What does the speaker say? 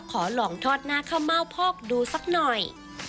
ขอลองทอดหน้าข้าวเม่าพอกดูสักหน่อย